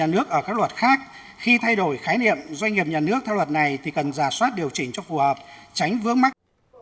nước theo luật này thì cần giả soát điều chỉnh cho phù hợp tránh vướng mắc